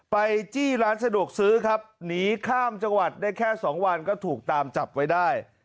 จี้ร้านสะดวกซื้อครับหนีข้ามจังหวัดได้แค่สองวันก็ถูกตามจับไว้ได้